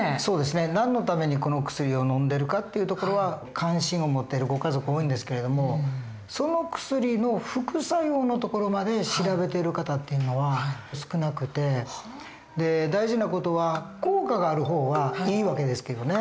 何のためにこの薬をのんでるかっていうところは関心を持ってるご家族多いんですけれどもその薬の副作用のところまで調べてる方っていうのは少なくて大事な事は効果がある方はいい訳ですけどね。